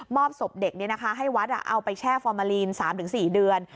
มอบศพเด็กเนี่ยนะคะให้วัดเอาไปแช่ฟอร์มาลีน๓๔เดือน